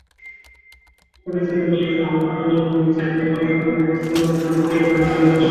ফটিকছড়ি পৌরসভার চৌমুহনী থেকে বাগান পর্যন্ত পাঁচ কিলোমিটারের সড়কটির এখন বেহাল অবস্থা।